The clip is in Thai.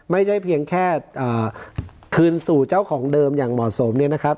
ไม่ใช่เพียงแค่คืนสู่เจ้าของเดิมอย่างเหมาะสมเนี่ยนะครับ